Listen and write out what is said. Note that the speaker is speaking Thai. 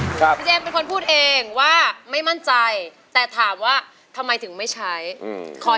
คุณเจเอมคุณเจเอมเป็นคนพูดเองว่าไม่มั่นใจแต่ถามว่าทำไมถึงไม่ใช้ขอเหตุผล